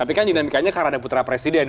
tapi kan dinamikanya karena ada putra presiden